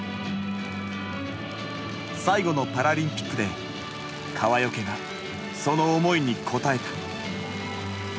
最後のパラリンピックで川除がその思いに応えた。